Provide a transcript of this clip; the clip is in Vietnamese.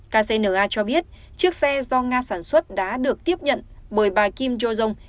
kcna cho biết chiếc xe do nga sản xuất đã được tiếp nhận bởi bà kim jong